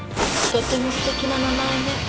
とてもすてきな名前ね。